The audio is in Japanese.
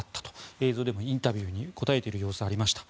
映像でもインタビューに答えている様子がありました。